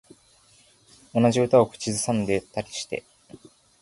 同じ歌を口ずさんでたりして